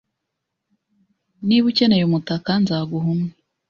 Niba ukeneye umutaka nzaguha umwe.